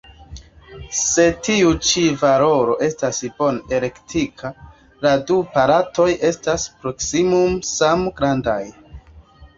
Se tiu ĉi valoro estas bone elektita, la du partoj estas proksimume same grandaj.